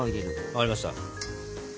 分かりました。